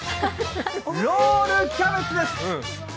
ロールキャベツです。